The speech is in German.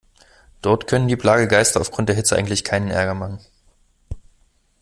Dort können die Plagegeister aufgrund der Hitze eigentlich keinen Ärger machen.